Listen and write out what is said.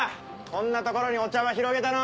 こんな所にお茶場広げたの。